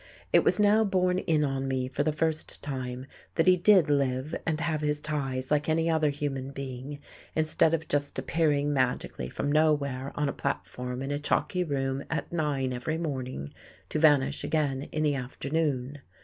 It was now borne in on me for the first time that he did live and have his ties like any other human being, instead of just appearing magically from nowhere on a platform in a chalky room at nine every morning, to vanish again in the afternoon.